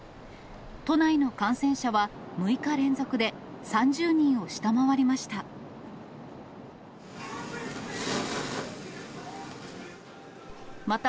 都内の感染者は６日連続で３０人を下回りました。